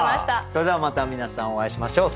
それではまた皆さんお会いしましょう。